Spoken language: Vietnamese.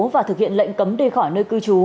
và thực hiện lệnh cấm đi khỏi nơi cư trú